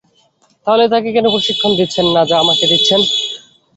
তাহলে তাকে কেন প্রশিক্ষণ দিচ্ছেন না যা আমাকে দিচ্ছেন?